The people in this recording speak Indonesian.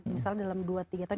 misalnya dalam dua tiga tadi